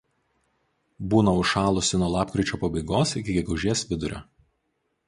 Būna užšalusi nuo lapkričio pabaigos iki gegužės vidurio.